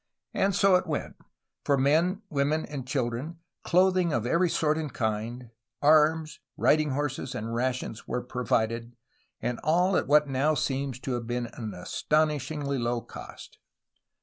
And so it went; for men, women, and children clothing of every sort and kind, arms, riding horses, and rations were provided, and all at what now seems to have been an astonishingly low cost.